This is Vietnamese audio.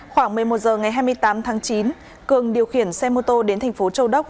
khoảng một mươi một h ngày hai mươi tám tháng chín cường điều khiển xe mô tô đến thành phố châu đốc